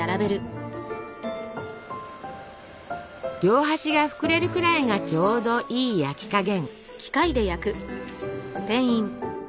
両端が膨れるくらいがちょうどいい焼き加減。